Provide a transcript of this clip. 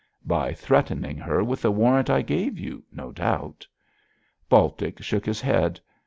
'By threatening her with the warrant I gave you, no doubt.' Baltic shook his head.